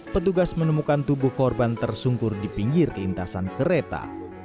petugas menemukan tubuh korban tersungkur di pinggir lintasan kereta